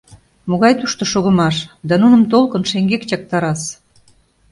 Могай тушто шогымаш — да нуным толкын шеҥгек чактарас!